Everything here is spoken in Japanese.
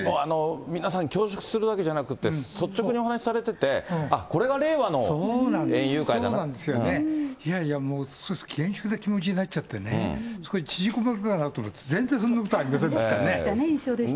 皆さん、恐縮するわけじゃなくて、率直にお話されてて、あっ、そうなんですよね、いやいやもう、厳粛な気持ちになっちゃってね、すごい縮こまるかなと思ったら、全然そんなことありませんでしたね。